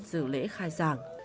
dự lễ khai giảng